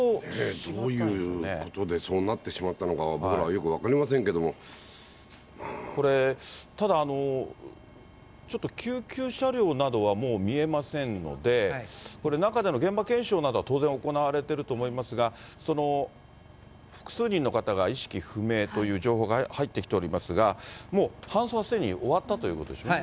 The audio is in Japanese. どういうことでそうなってしまったのかは、これ、ただ、ちょっと救急車両などはもう見えませんので、これ、中での現場検証などは当然行われていると思いますが、その複数にの方が意識不明という情報が入ってきておりますが、もう搬送はすでに終わったということですよね。